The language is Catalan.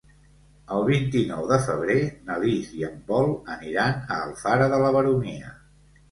El vint-i-nou de febrer na Lis i en Pol aniran a Alfara de la Baronia.